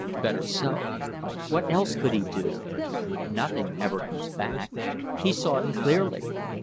Better so. What else could he do? Nothing ever comes back. He saw it clearly.